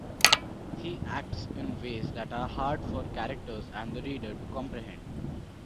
He acts in ways that are hard for characters and the reader to comprehend.